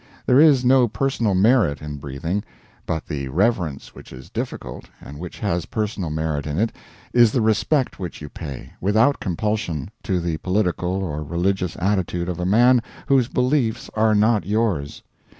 There is no personal merit in breathing. But the reverence which is difficult, and which has personal merit in it, is the respect which you pay, without compulsion, to the political or religious attitude of a man whose beliefs are not yours.